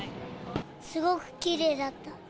すごくきれいだった。